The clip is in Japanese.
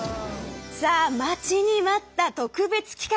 さあ待ちに待った特別企画。